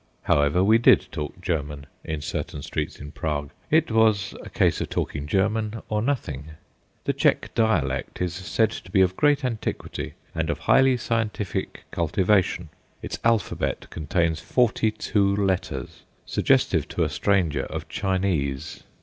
However, we did talk German in certain streets in Prague; it was a case of talking German or nothing. The Czech dialect is said to be of great antiquity and of highly scientific cultivation. Its alphabet contains forty two letters, suggestive to a stranger of Chinese.